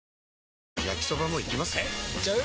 えいっちゃう？